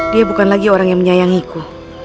dia bukan lagi orang yang menyayangiku